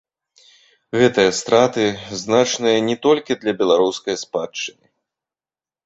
Гэтыя страты значныя не толькі для беларускай спадчыны.